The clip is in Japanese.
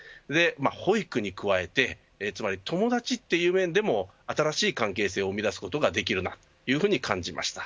保育に加えてつまり友達という面でも新しい関係性を生み出すことができるというふうに感じました。